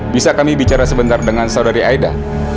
bisa kami bicara sebentar dengan saudari aida